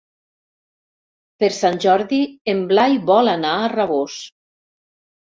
Per Sant Jordi en Blai vol anar a Rabós.